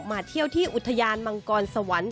มาเที่ยวที่วุฒิญาณมังกรสวรรค์